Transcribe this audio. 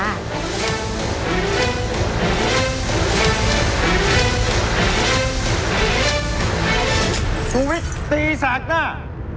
ชุมวิตตีสากหน้า